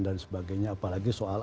dan sebagainya apalagi soal